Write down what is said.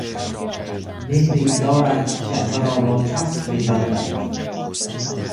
مهری دارد جعبه را با چسب میبندد.